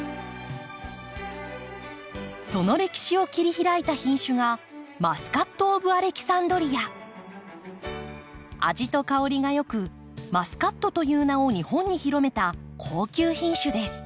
その歴史を切り開いた品種が味と香りが良く「マスカット」という名を日本に広めた高級品種です。